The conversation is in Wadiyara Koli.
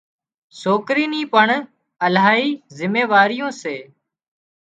سوڪرِي ني پڻ الاهي زميواريون سي